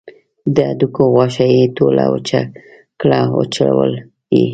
د هډوکو غوښه یې ټوله وچه کړه وچول یې.